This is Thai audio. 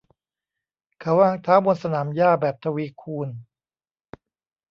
เขาวางเท้าบนสนามหญ้าแบบทวีคูณ